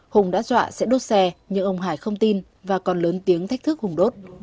hùng đã dọa sẽ đốt xe nhưng ông hải không tin và còn lớn tiếng thách thức hùng đốt